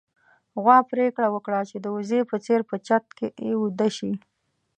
غوا پرېکړه وکړه چې د وزې په څېر په چت کې ويده شي.